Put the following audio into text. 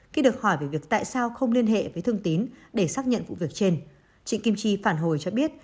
khi được hỏi về việc tại sao không liên hệ với thương tín để xác nhận vụ việc trên chị kim chi phản hồi cho biết